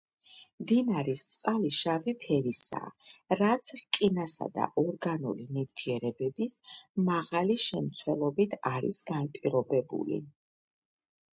მდინარის წყალი შავი ფერისაა, რაც რკინისა და ორგანული ნივთიერებების მაღალი შემცველობით არის განპირობებული.